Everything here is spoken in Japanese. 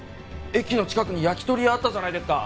駅の近くに焼き鳥屋あったじゃないですか。